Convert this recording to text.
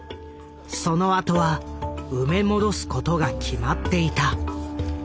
そのあとは埋め戻すことが決まっていた。